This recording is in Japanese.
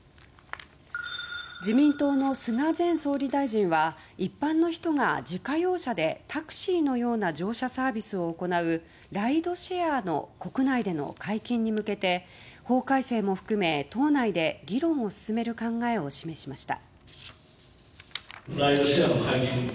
自民党の菅前総理大臣は一般の人が自家用車でタクシーのような乗車サービスを行うライドシェアの国内での解禁に向けて法改正も含め党内で議論を進める考えを示しました。